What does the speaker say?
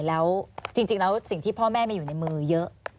แล้วจริงแล้วสิ่งที่พ่อแม่มีอยู่ในมือเยอะ